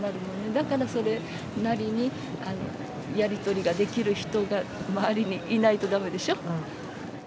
だからそれなりにやり取りができる人が周りにいないとだめでしょ。